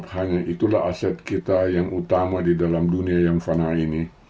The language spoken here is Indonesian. hanya itulah aset kita yang utama di dalam dunia yang fana ini